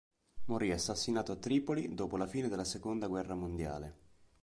Morì assassinato a Tripoli dopo la fine della seconda guerra mondiale.